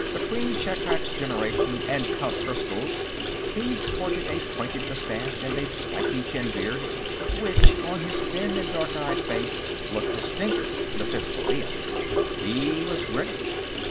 Between Shatrak's generation and Count Erskyll's, he sported a pointed mustache and a spiky chin beard, which, on his thin and dark eyed face, looked distinctly Mephistophelean. He was grinning.